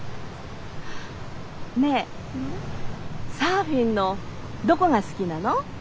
ねえサーフィンのどこが好きなの？